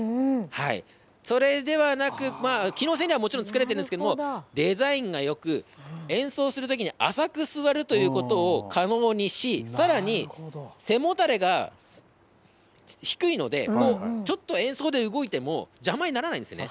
それではなく、にはもちろん作られているんですが、デザインがよく、演奏するときに浅く座るということを可能にし、さらに背もたれが低いので、ちょっと演奏で動いても、邪魔にならないんですよね。